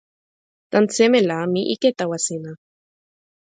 tan seme la mi ike tawa sina?